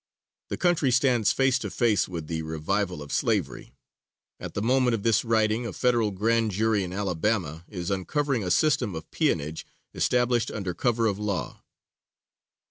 The country stands face to face with the revival of slavery; at the moment of this writing a federal grand jury in Alabama is uncovering a system of peonage established under cover of law.